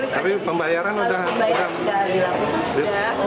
tapi pembayaran sudah berjalan